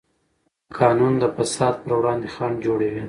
قانون د فساد پر وړاندې خنډ جوړوي.